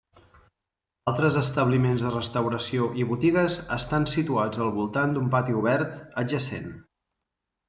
Altres establiments de restauració i botigues estan situats al voltant d’un pati obert adjacent.